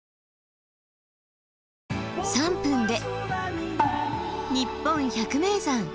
３分で「にっぽん百名山」。